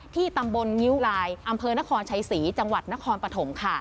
ที่ตำบลงิ้วลายอำเภอนครชัยศรีจังหวัดนครปฐมค่ะ